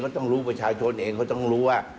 ต้องรู้ประชาชนเองเขาต้องรู้ว่า